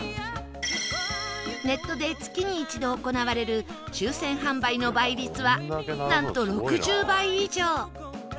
ネットで月に一度行われる抽選販売の倍率はなんと６０倍以上